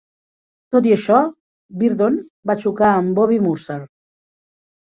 Tot i això, Virdon va xocar amb Bobby Murcer.